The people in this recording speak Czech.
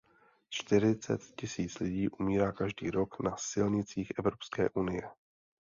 Čtyřicet tisíc lidí umírá každý rok na silnicích Evropské unie.